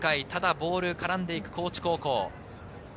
ボールが絡んでいく高知高校。